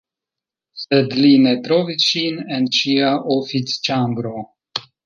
Sed li ne trovis ŝin en ŝia oficĉambro.